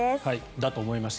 だと思いました。